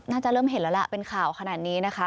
น่าจะเริ่มเห็นแล้วล่ะเป็นข่าวขนาดนี้นะคะ